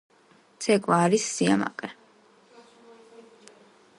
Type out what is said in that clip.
ცეკვა არის სიამაყე